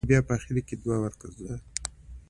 زما مور د خپلو احساساتو په اړه خبرې کوي.